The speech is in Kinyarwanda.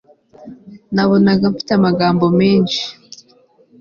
nabonaga nfite amagambo menshi